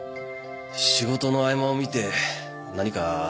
仕事の合間を見て何か探ってみるよ